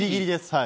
はい。